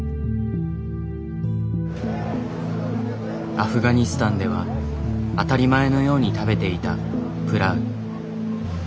アフガニスタンでは当たり前のように食べていたプラウ。